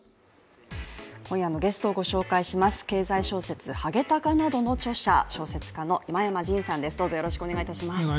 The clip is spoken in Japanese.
今夜のゲストをご紹介します、経済小説「ハゲタカ」などの著者、小説家の真山仁さんです、どうぞよろしくお願いいたします。